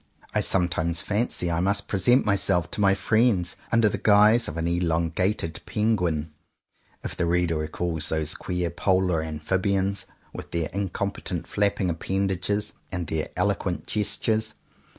I sometimes fancy I must present myself to my friends under the guise of an elongated penguin, if the reader recalls those queer polar amphibians, with their incompetent flapping appendages and their eloquent gestures.